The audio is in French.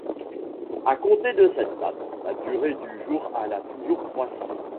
À compter de cette date, la durée du jour alla toujours croissant.